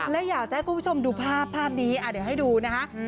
และอยากจะให้คุณผู้ชมดูภาพภาพนี้เดี๋ยวให้ดูนะคะ